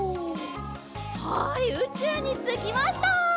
はいうちゅうにつきました。